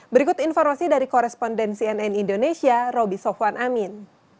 berikut informasi dari koresponden cnn indonesia roby sofwan amin